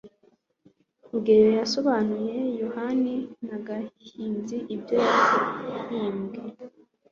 rugeyo yasobanuye yohana na gashinzi ibyo yahimbye